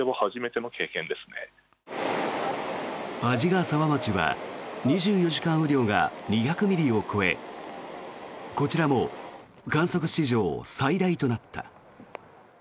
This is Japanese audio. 鰺ヶ沢町は２４時間雨量が２００ミリを超えこちらも観測史上最大となった。